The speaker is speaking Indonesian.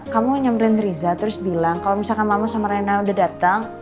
kamu nyamperin riza terus bilang kalo misalkan mama sama rena udah dateng